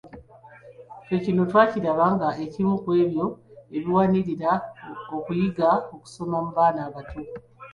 Ffe kino twakiraba nga ekimu ku ebyo ebiwanirira okuyiga okusoma mu baana abato.